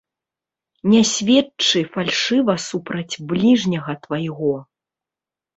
Не сведчы фальшыва супраць бліжняга твайго.